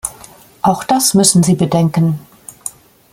Auch das müssen Sie bedenken.